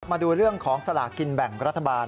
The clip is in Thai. มาดูเรื่องของสลากกินแบ่งรัฐบาล